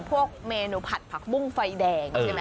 พวกเมนูผัดผักบุ้งไฟแดง